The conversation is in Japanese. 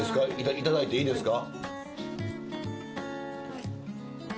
いただいていいですか？